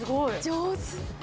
上手。